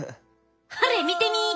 ほれ見てみい。